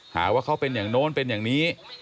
หาว่าเขาเป็นอย่างโน้นเป็นอย่างนี้